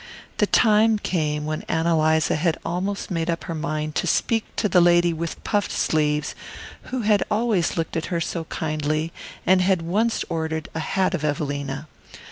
The time came when Ann Eliza had almost made up her mind to speak to the lady with puffed sleeves, who had always looked at her so kindly, and had once ordered a hat of Evelina.